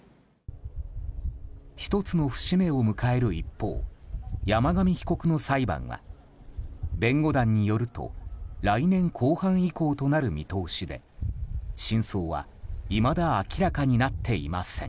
１つの節目を迎える一方山上被告の裁判は弁護団によると来年後半以降となる見通しで真相は、いまだ明らかになっていません。